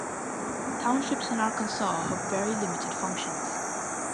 Townships in Arkansas have very limited functions.